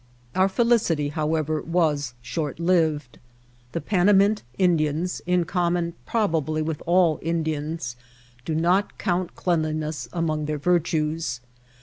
Our felicity, however, was short lived. The Panamint Indians, in common probably with all Indians, do not count cleanliness among their virtues.